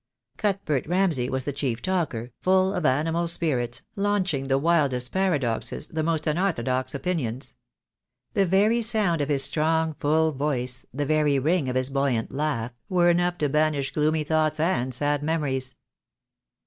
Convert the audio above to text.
Cuthbert Ramsay was the chief talker, full of animal spirits, launching the wildest paradoxes, the most unorthodox opinions. The very sound of his strong full voice, the very ring of his buoyant laugh, were enough to banish gloomy thoughts and sad memories.